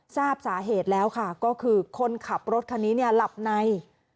ทราบสาเหตุแล้วค่ะก็คือคนขับรถคันนี้หลับใน